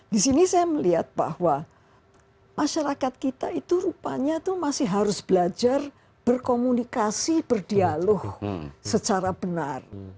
di sini saya melihat bahwa masyarakat kita itu rupanya itu masih harus belajar berkomunikasi berdialog secara benar